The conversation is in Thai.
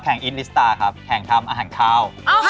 อินลิสตาร์ครับแข่งทำอาหารข้าว